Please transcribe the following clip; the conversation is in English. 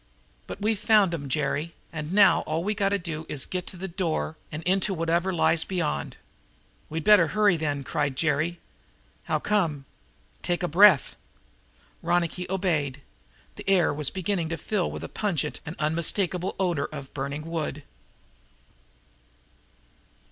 But we've found 'em, Jerry, and now all we got to do is to get to the door and into whatever lies beyond." "We'd better hurry, then," cried Jerry. "How come?" "Take a breath." Ronicky obeyed; the air was beginning to fill with the pungent and unmistakable odor of burning wood!